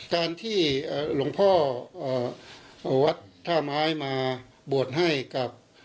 การที่หลวงพ่อวัดท่าไม้มาบวชให้กับ